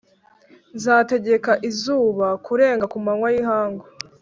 nzategeka izuba kurenga ku manywa y’ihangu,